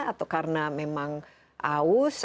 atau karena memang aus